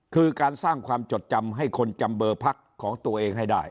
คือการสร้างความจดจำให้คนจำเบอร์พักของตัวเองให้ได้